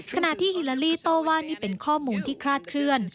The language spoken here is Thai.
ขณะที่ฮิลาลีโต้ว่านี่เป็นข้อมูลที่คลาดเคลื่อน